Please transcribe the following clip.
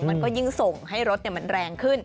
มันก็ยิ่งส่งให้รถมันแรงขึ้น